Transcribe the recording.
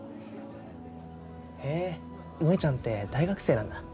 へえ萌ちゃんって大学生なんだ。